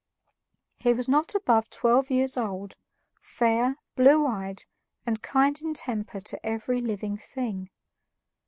He was not above twelve years old, fair, blue eyed, and kind in temper to every living thing.